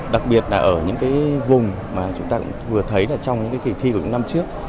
đặc biệt là ở những cái vùng mà chúng ta vừa thấy là trong cái thi của những năm trước